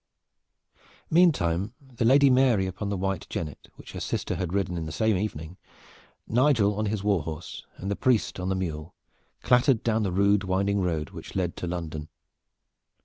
Meantime the Lady Mary upon the white jennet which her sister had ridden on the same evening, Nigel on his war horse, and the priest on the mule, clattered down the rude winding road which led to London.